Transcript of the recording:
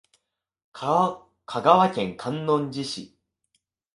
香川県観音寺市